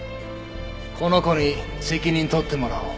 この子に責任取ってもらおう。